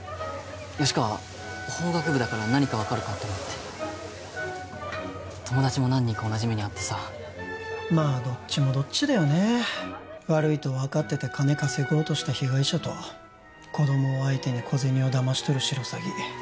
吉川法学部だから何か分かるかと思って友達も何人か同じ目に遭ってさまあどっちもどっちだよね悪いと分かってて金稼ごうとした被害者と子供を相手に小銭をだまし取るシロサギ